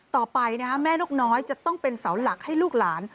ต่อไปแม่นกน้อยจะต้องเป็นเสาหลักให้ลูกหลาน